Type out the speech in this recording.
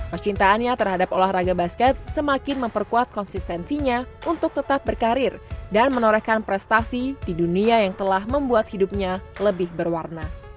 percintaannya terhadap olahraga basket semakin memperkuat konsistensinya untuk tetap berkarir dan menorehkan prestasi di dunia yang telah membuat hidupnya lebih berwarna